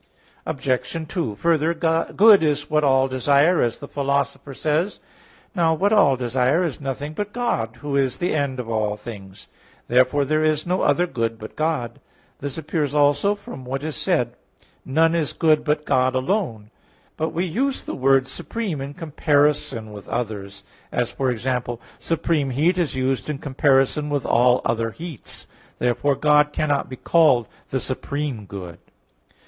Obj. 2: Further, "Good is what all desire," as the Philosopher says (Ethic. i, 1). Now what all desire is nothing but God, Who is the end of all things: therefore there is no other good but God. This appears also from what is said (Luke 18:19): "None is good but God alone." But we use the word supreme in comparison with others, as e.g. supreme heat is used in comparison with all other heats. Therefore God cannot be called the supreme good.